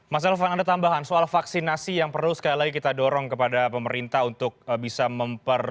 mas elvan ada tambahan soal vaksinasi yang perlu sekali lagi kita dorong kepada pemerintah untuk bisa memperbaiki